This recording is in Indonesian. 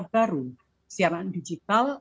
baru siaran digital